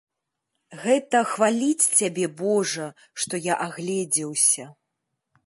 Гэта хваліць цябе, божа, што я агледзеўся.